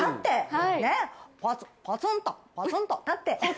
ポツンとポツンと立って。